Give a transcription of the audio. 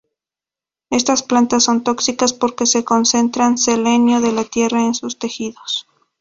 Estas plantas son tóxicas porque concentran selenio de la tierra en sus tejidos.